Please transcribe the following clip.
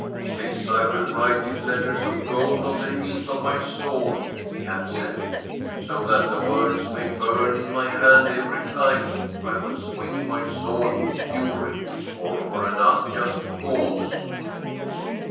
* This I will write in letters of gold on the hilt of my sword/ he had said, * so that the words may burn in my hand every time I would swing my sword in fury, or for an unjust cause.'